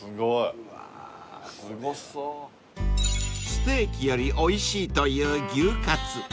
［ステーキよりおいしいという牛かつ］